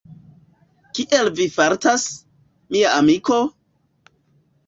Kiel vi fartas, mia amiko?